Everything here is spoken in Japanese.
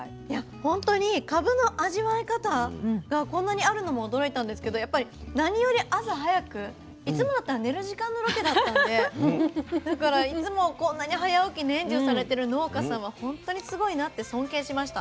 ほんとにかぶの味わい方がこんなにあるのも驚いたんですけどやっぱり何より朝早くいつもだったら寝る時間のロケだったんでだからいつもこんなに早起き年中されてる農家さんは本当にすごいなって尊敬しました。